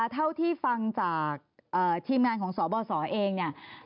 เท่าที่ฟังจากทีมงานของสบศเอง